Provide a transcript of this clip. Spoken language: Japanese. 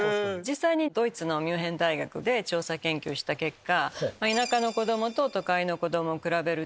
ドイツのミュンヘン大学で調査研究した結果。